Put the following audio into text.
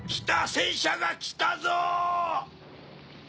戦車が来たぞ！